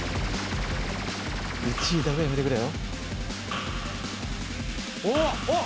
１位だけはやめてくれよおっ！